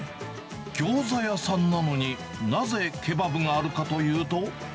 ギョーザ屋さんなのに、なぜケバブがあるかというと。